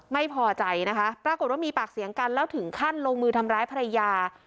ไม่พอใจนะคะปรากฏว่ามีปากเสียงกันแล้วถึงขั้นลงมือทำร้ายภรรยา